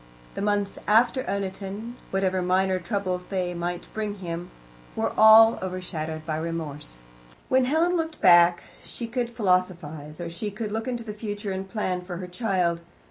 The months after Oniton, whatever minor troubles they might bring him, were all overshadowed by Remorse. When Helen looked back she could philosophize, or she could look into the future and plan for her child.